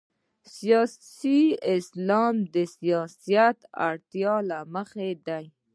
سیاسي اسلام د سیاست اړتیا له مخې ده.